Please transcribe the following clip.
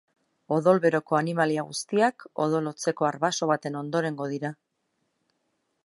Odol beroko animalia guztiak, odol hotzeko arbaso baten ondorengo dira.